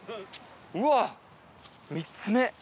うわ３つ目！